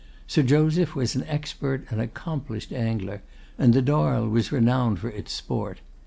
Sir Joseph was an expert and accomplished angler, and the Darl was renowned for its sport.